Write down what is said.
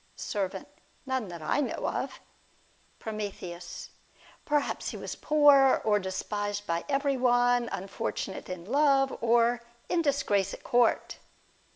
Servant. None that I know of. Prom. Perhaps he was poor, or despised by every one, unfortunate in love, or in disgrace at court.